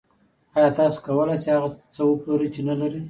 آیا تاسو کولی شئ هغه څه وپلورئ چې نلرئ